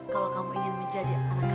kalau kamu ingin menjadi anak